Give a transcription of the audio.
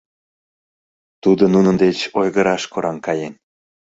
Тудо нунын деч ойгыраш кораҥ каен.